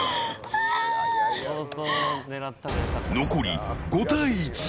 残り５対１。